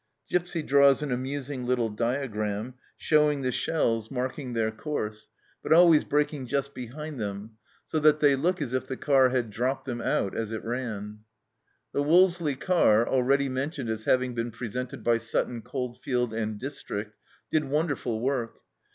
Gipsy draws an amusing little diagram showing the shells marking their 236 THE CELLAR HOUSE OF PERVYSE course, but always breaking just behind them, so that they look as if the car had dropped them out as it ran. The Wolseley car, already mentioned as having been presented by Sutton Coldfield and district, did wonderful work.